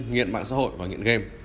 nghiện mạng xã hội và nghiện game